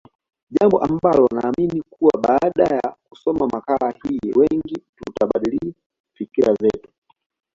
Jambo ambalo naamini kuwa baada ya kusoma makala hii wengi tutabadili fikra zetu